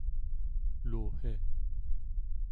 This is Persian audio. لوحه